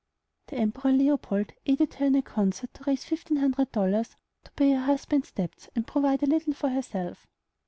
The Emperor Leopold aided her in a concert to raise fifteen hundred dollars to pay her husband's debts, and provide a little for herself.